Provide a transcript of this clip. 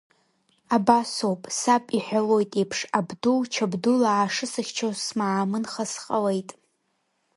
Абасоуп, саб иҳәалоит еиԥш, Абдул-Чабдулаа шысыхьчоз смаамынха сҟалеит.